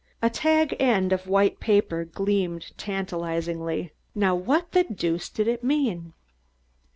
A tag end of white paper gleamed tantalizingly. Now what the deuce did it mean?